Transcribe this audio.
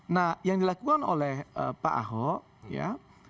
nah yang dilakukan oleh pak ahok ya